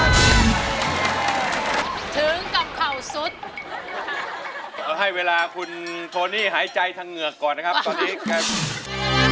เราให้เวลาคุณโทนี่หายใจทั้งเหงือกก่อนนะครับตอนนี้กัน